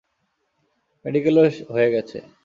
মেডিকেলও হয়ে গেছে।